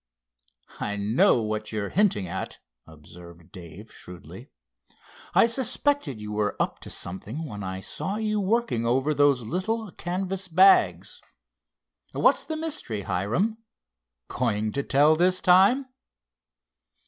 "I know what you're hinting at," observed Dave shrewdly. "I suspected you were up to something when I saw you working over those little canvas bags. What's the mystery, Hiram? Going to tell, this time?"